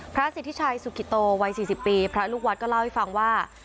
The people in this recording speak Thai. สิทธิชัยสุกิโตวัย๔๐ปีพระลูกวัดก็เล่าให้ฟังว่า